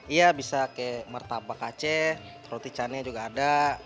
iya bisa kayak mertabak aceh roti cannya juga ada